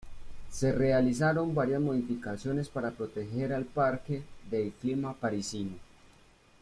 Se realizaron varias modificaciones para proteger al parque del clima parisino.